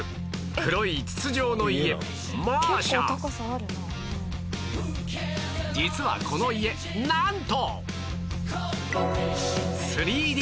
黒い筒状の家実はこの家なんと